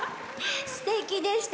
すてきでした。